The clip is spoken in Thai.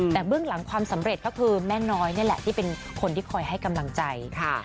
แต่เบื้องหลังความสำเร็จคือแม่น้อยนั่นแหละที่คอยให้กำลังใจ